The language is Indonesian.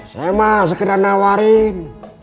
saya mah sekedar nawarin